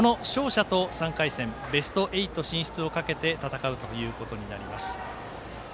この勝者と３回戦ベスト８進出をかけて戦うということになります。